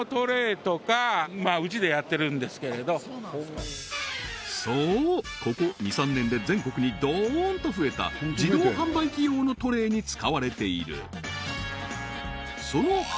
今そうここ２３年で全国にドーンと増えた自動販売機用のトレーに使われている